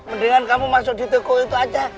mendingan kamu masuk di toko itu aja